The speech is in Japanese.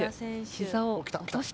ひざを落として。